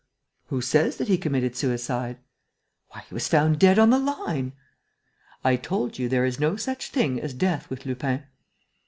"Who says that he committed suicide?" "Why, he was found dead on the line!" "I told you, there is no such thing as death with Lupin."